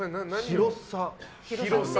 広さ。